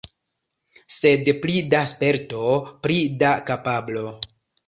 Sed pli da sperto, pli da kapablo.